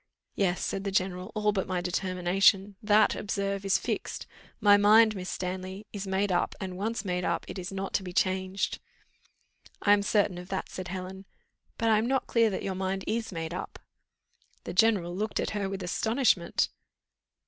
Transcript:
"Yes," said the general, "all but my determination; that, observe, is fixed. My mind, Miss Stanley, is made up, and, once made up, it is not to be changed." "I am certain of that," said Helen, "but I am not clear that your mind is made up." The general looked at her with astonishment.